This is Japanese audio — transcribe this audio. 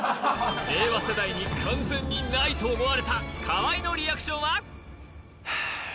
令和世代に「完全にない！」と思われた河合のリアクションは？